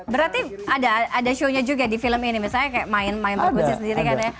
berarti ada shownya juga di film ini misalnya kayak main percursi sendiri kan ya